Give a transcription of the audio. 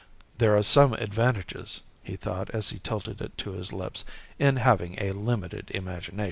"There are some advantages," he thought as he tilted it to his lips, "in having a limited imagination."